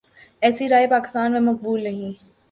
ایسی رائے پاکستان میں مقبول نہیں۔